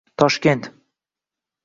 Toshkent